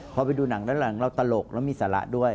พอไปดูหนังด้านหลังเราตลกแล้วมีสาระด้วย